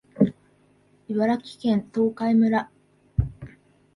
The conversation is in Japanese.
茨城県東海村